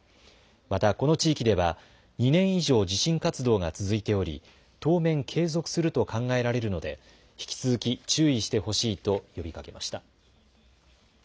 また、この地域では２年以上地震活動が続いており当面、継続すると考えられるので引き続き注意してほしいと呼びかけました。